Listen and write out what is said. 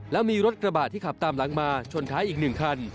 แล้วมีรถกระบะที่ขับตามหลังมาชนท้ายอีก๑คัน